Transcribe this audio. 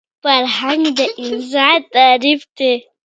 فرهنګ د انسان تعریف دی